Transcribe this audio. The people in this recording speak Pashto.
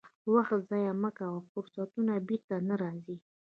وخت ضایع مه کوه، فرصتونه بیرته نه راځي.